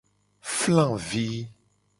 Flavi.